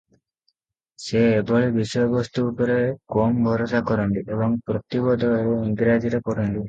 ସେ ଏଭଳି ବିଷୟବସ୍ତୁ ଉପରେ କମ ଭରସା କରନ୍ତି ଏବଂ ପ୍ରତିବଦଳରେ ଇଂରାଜୀରେ ପଢ଼ନ୍ତି ।